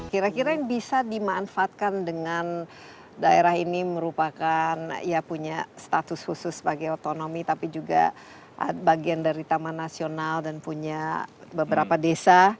kira kira yang bisa dimanfaatkan dengan daerah ini merupakan ya punya status khusus sebagai otonomi tapi juga bagian dari taman nasional dan punya beberapa desa